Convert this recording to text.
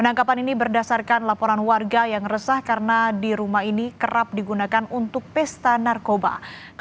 yang kedua dilakukan pendalaman oleh direkturat reserse